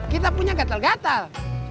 kita punya gatel gatel